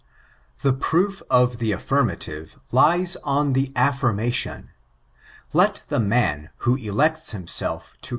The proof of the affirmative lies on the affirmant; let the man, who elects himself to